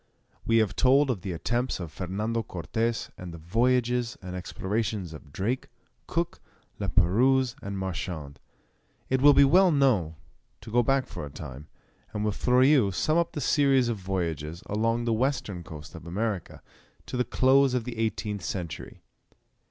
We have told of the attempts of Fernando Cortes and of the voyages and explorations of Drake, Cook, La Perouse, and Marchand. It will be well now to go back for a time, and with Fleurieu sum up the series of voyages along the western coast of America, to the close of the eighteenth century.